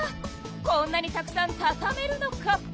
こんなにたくさんたためるのか！？